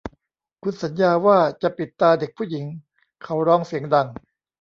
คุณสัญญาว่าจะปิดตาเด็กผู้หญิงเขาร้องเสียงดัง